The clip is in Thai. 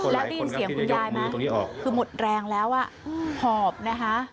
แล้วได้ยินเสียงคุณยายไหมคือหมดแรงแล้วหอบนะคะ